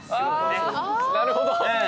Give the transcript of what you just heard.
あなるほど。